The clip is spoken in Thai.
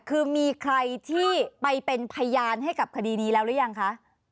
คือมีใครที่ไปเป็นพยานให้กับคดีนี้แล้วหรือยังคะ